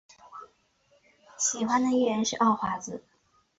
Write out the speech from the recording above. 喜欢的艺人是奥华子。